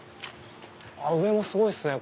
上もすごいっすね！